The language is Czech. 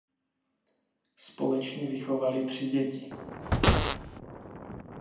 Společně vychovali tři děti.